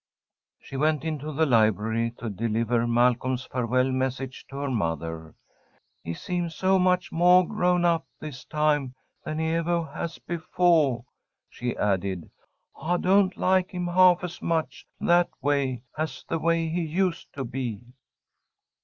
She went into the library to deliver Malcolm's farewell messages to her mother. "He seems so much moah grown up this time than he evah has befoah," she added. "I don't like him half as much that way as the way he used to be."